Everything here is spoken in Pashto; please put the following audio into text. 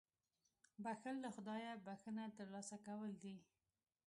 • بښل له خدایه بښنه ترلاسه کول دي.